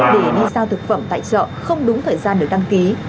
để đi sao thực phẩm tại chợ không đúng thời gian để đăng ký